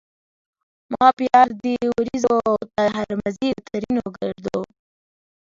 ما پيار دي وړیزو ته هرمزي له؛ ترينو ګړدود